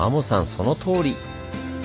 そのとおり！